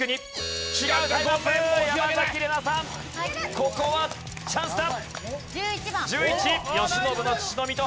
ここはチャンスだ。